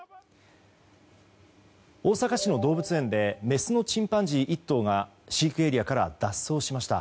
大阪市の動物園でメスのチンパンジー１頭が飼育エリアから脱走しました。